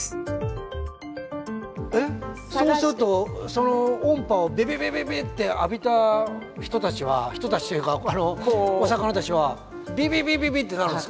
そうするとその音波をビビビビビッて浴びた人たちは人たちというかお魚たちはビリビリビリってなるんですか？